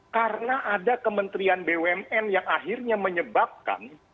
karena ada kementerian bumn yang akhirnya menyebabkan